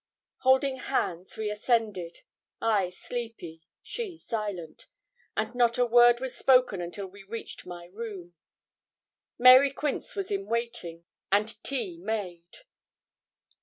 Holding hands, we ascended, I sleepy, she silent; and not a word was spoken until we reached my room. Mary Quince was in waiting, and tea made.